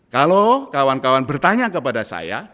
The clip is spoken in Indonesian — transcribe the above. kalau kawan kawan bertanya kepada saya